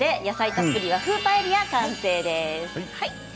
野菜たっぷり和風パエリア完成です。